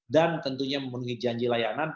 dan tentunya memenuhi janji layanan